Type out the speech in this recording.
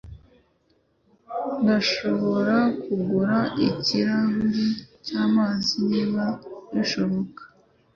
Ndashobora kuguha ikirahuri cyamazi niba ubishaka